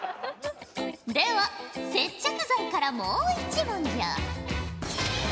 では接着剤からもう一問じゃ。